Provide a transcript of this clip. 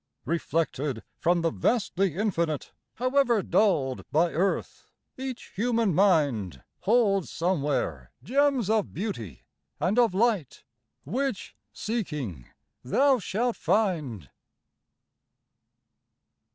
Reflected from the vastly Infinite, However dulled by earth, each human mind Holds somewhere gems of beauty and of light Which, seeking, thou shalt find.